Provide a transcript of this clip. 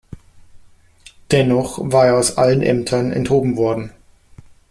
Dennoch war er aus allen Ämtern enthoben worden.